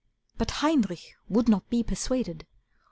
But Heinrich would not be persuaded.